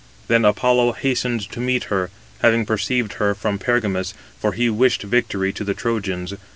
Then Apollo hastened to meet her, having perceived her from Pergamus, for he wished victory to the Trojans.